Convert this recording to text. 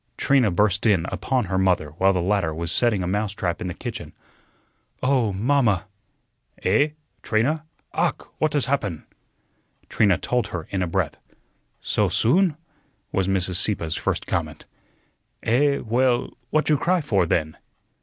Trina burst in upon her mother while the latter was setting a mousetrap in the kitchen. "Oh, mamma!" "Eh? Trina? Ach, what has happun?" Trina told her in a breath. "Soh soon?" was Mrs. Sieppe's first comment. "Eh, well, what you cry for, then?"